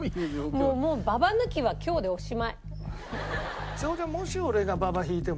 もうババ抜きは今日でおしまい。